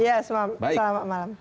ya selamat malam